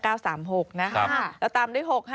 แล้วตามด้วย๖๕